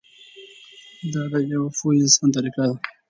دا د یوه پوه انسان طریقه ده.